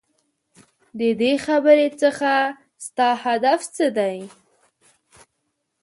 ددې خبرې څخه ستا هدف څه دی ؟؟